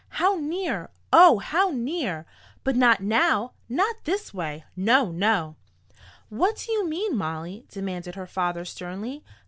How near oh, how near! But not now not this way! No! No!" "What do you mean, Molly?" demanded her father sternly.